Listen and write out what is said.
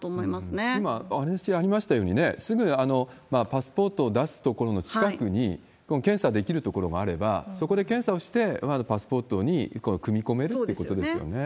今、お話ありましたように、すぐパスポートを出す所の近くに検査できる所があれば、そこで検査をしてパスポートに組み込めるということですよね。